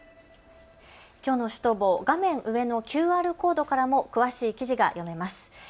きょうのシュトボー、画面上のＱＲコードからも詳しい記事が読めます。